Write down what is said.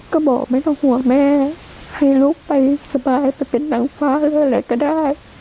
ก็บอกไม่ต้องห่วงแม่ให้ลูกไปสบายไปเป็นนางฟ้าด้วยแหละก็ได้